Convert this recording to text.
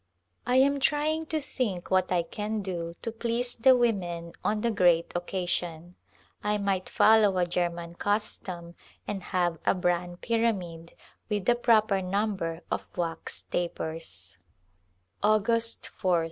I am trying to think [ '70] Call to Rajptitaiia what I can do to please the women on the great oc casion. I might follow a German custom and have a bran pyramid with the proper number of wax tapers. August ph.